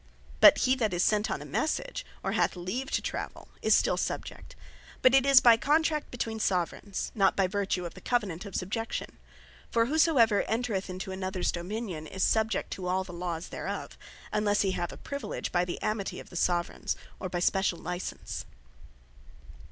But he that is sent on a message, or hath leave to travell, is still Subject; but it is, by Contract between Soveraigns, not by vertue of the covenant of Subjection. For whosoever entreth into anothers dominion, is Subject to all the Lawes thereof; unless he have a privilege by the amity of the Soveraigns, or by speciall licence.